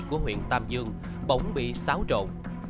của huyện tam dương bỗng bị xáo trộn